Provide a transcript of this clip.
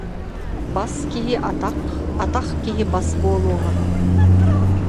Бас киһи атах, атах киһи бас буолуоҕа